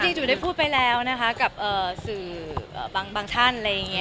จริงด้วยได้พูดไปแล้วนะครับกับสื่อบางท่าน